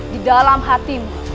di dalam hatimu